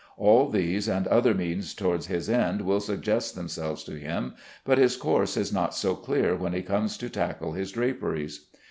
All these and other means toward his end will suggest themselves to him, but his course is not so clear when he comes to tackle his draperies.